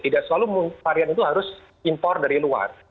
tidak selalu varian itu harus impor dari luar